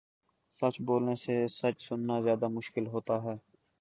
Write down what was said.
سچ بولنے سے سچ سنا زیادہ مشکل ہوتا ہے